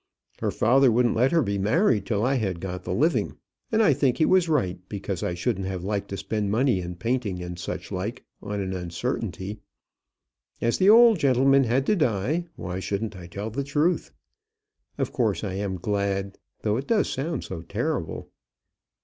Her father wouldn't let her be married till I had got the living, and I think he was right, because I shouldn't have liked to spend money in painting and such like on an uncertainty. As the old gentleman had to die, why shouldn't I tell the truth? Of course I am glad, though it does sound so terrible."